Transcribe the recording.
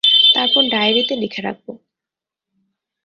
তারপর ডায়েরিতে লিখে রাখব।